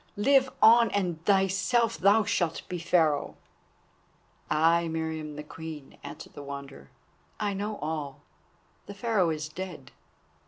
live on! and thyself thou shalt be Pharaoh." "Ay, Meriamun the Queen," answered the Wanderer, "I know all. The Pharaoh is dead!